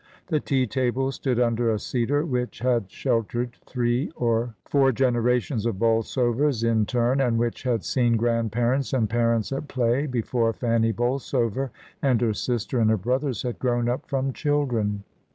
The tea table stood under a cedar which had sheltered three or four generations of Bolsovers in turn, and which had seen grandparents and parents at play before Fanny Bolsover and her sister and her brothers had grown up from children.